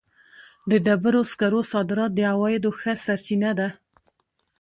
د ډبرو سکرو صادرات د عوایدو ښه سرچینه ده.